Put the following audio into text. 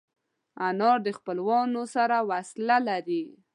انا د خپلوانو سره وصله لري